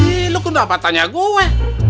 ih lu kenapa tanya gua